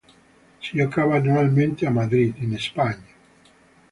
Si giocava annualmente a Madrid in Spagna.